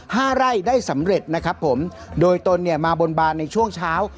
ไร่ได้สำเร็จนะครับผมโดยตนเนี่ยมาบนบานในช่วงเช้า